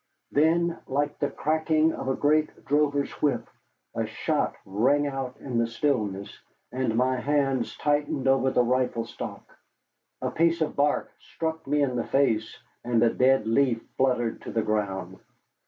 Then, like the cracking of a great drover's whip, a shot rang out in the stillness, and my hands tightened over the rifle stock. A piece of bark struck me in the face, and a dead leaf fluttered to the ground.